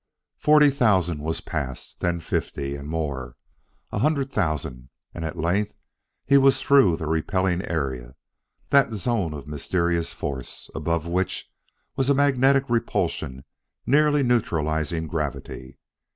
Forty thousand was passed; then fifty and more; a hundred thousand; and at length he was through the repelling area, that zone of mysterious force, above which was a magnetic repulsion nearly neutralizing gravity.